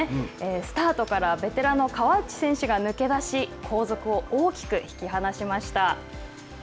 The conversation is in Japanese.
スタートからベテランの川内選手が抜け出し、後続を大きく引き離しました。